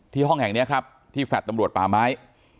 ห้องแห่งนี้ครับที่แฟลต์ตำรวจป่าไม้